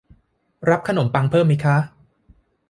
รับขนมปังเพิ่มไหมคะ